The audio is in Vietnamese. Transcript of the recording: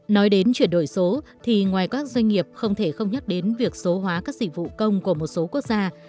nói đến chuyển đổi số thì ngoài các doanh nghiệp không thể không nhắc đến việc số hóa các dịch vụ công của một số quốc gia